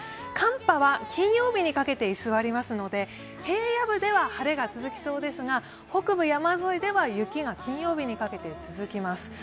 寒波は金曜日にかけて居座りますので平野部では晴れが続きそうですが北部山沿いでは雪が金曜日にかけて続きます。